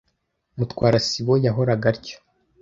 Mutwara sibo yahoraga atyo.